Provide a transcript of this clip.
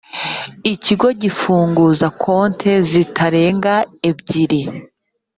ikigo gifunguza konti zitarenga ebyiri